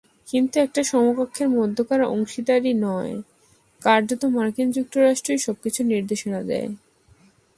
কিন্তু এটা সমকক্ষদের মধ্যকার অংশীদারি নয়, কার্যত মার্কিন যুক্তরাষ্ট্রই সবকিছুর নির্দেশনা দেয়।